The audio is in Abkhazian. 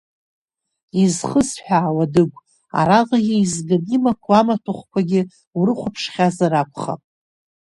Изхысҳәаауа, Дыгә, араҟа еизганы имақәоу амаҭәахәқәагьы урыхәаԥшхьазар акәхап?